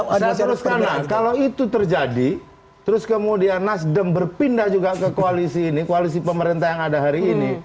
jadi saya teruskan kalau itu terjadi terus kemudian nasdem berpindah juga ke koalisi ini koalisi pemerintah yang ada hari ini